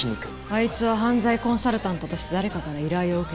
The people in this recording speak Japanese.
あいつは犯罪コンサルタントとして誰かから依頼を受けた。